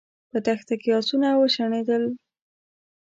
په دښته کې آسونه وشڼېدل.